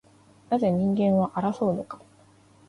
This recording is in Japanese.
なぜ人間は争うのか